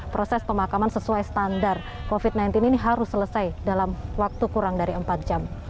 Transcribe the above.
proses pemakaman sesuai standar covid sembilan belas ini harus selesai dalam waktu kurang dari empat jam